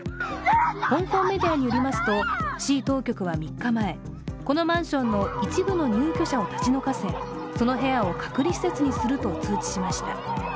香港メディアによりますと市当局は３日前このマンションの一部の入居者を立ち退かせその部屋を隔離施設にすると通知しました。